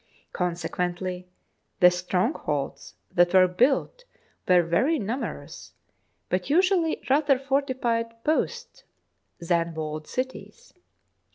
Consequent ly the strongholds that were built were very nu merous, but usually rather fortified posts than walled cities.